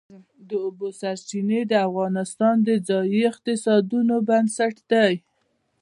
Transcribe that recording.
د اوبو سرچینې د افغانستان د ځایي اقتصادونو بنسټ دی.